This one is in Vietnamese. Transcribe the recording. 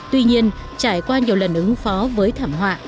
tuy nhiên trải qua nhiều lần ứng phó với thảm họa